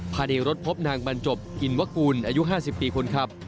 ภายในรถพบนางบรรจบอินวกูลอายุ๕๐ปีคนขับ